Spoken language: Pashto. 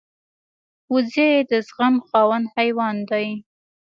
وزې د زغم خاوند حیوان دی